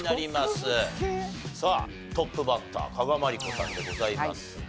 さあトップバッター加賀まりこさんでございますが。